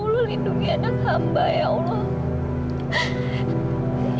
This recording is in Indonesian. ya allah lindungi anak hamba ya allah